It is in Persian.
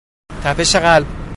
تپش قلب